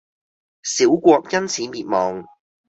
小國因此滅亡